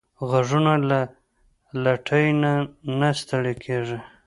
غوږونه له لټۍ نه نه ستړي کېږي